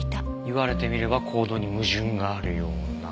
言われてみれば行動に矛盾があるような。